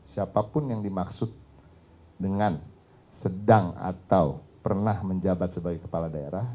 siapapun yang dimaksud dengan sedang atau pernah menjabat sebagai kepala daerah